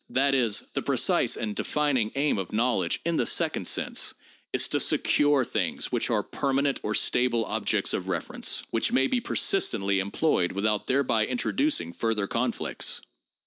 That is, the precise and defining aim of knowl edge in the second sense is to secure things which are permanent or stable objects of reference; which may be persistently employed without thereby introducing further conflicts.